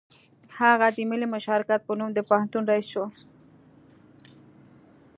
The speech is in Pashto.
هغه د ملي مشارکت په نوم د پوهنتون رییس شو